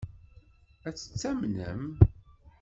Ad tt-tamnem?